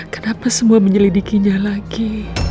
kenapa semua menyelidikinya lagi